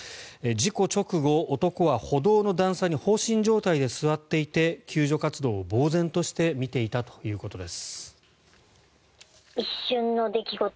事故直後、容疑者の男性は放心状態で座っていて救助活動をぼうぜんとして見ていたということです。